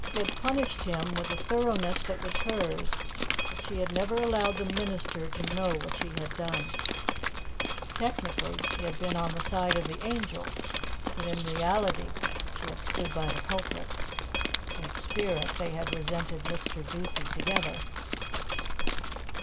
She had punished him with the thoroughness that was hers, but she had never allowed the minister to know what she had done. Technically she had been on the side of the angels, but in reality she had stood by the culprit. In spirit they had resented Mr. Duthie together.